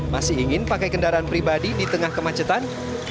masih ingin pakai kendaraan pribadi di tengah kemacetan